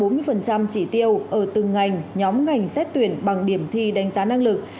bốn mươi chỉ tiêu ở từng ngành nhóm ngành xét tuyển bằng điểm thi đánh giá năng lực